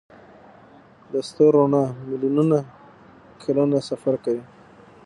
د ستورو رڼا میلیونونه کلونه سفر کوي.